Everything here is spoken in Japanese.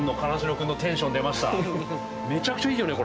めちゃくちゃいいよね？